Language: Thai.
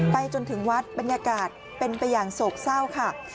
จนถึงวัดบรรยากาศเป็นไปอย่างโศกเศร้าค่ะ